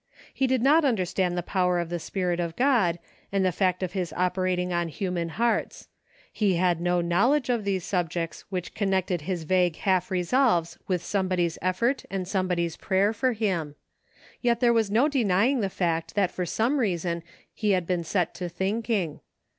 He did not under stand the power of the Spirit of God, and the fact of his operating on human hearts ; he had no knowledge of these subjects which connected his vague half resolves with somebody's effort and 62 SOME HALF WAY THINKING. somebody's prayer for him ; yet there was no denying the fact that for some reason he had been set to thinking.